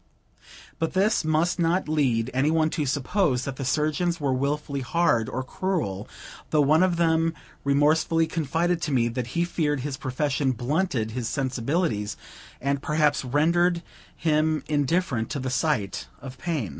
But this must not lead any one to suppose that the surgeons were willfully hard or cruel, though one of them remorsefully confided to me that he feared his profession blunted his sensibilities, and perhaps, rendered him indifferent to the sight of pain.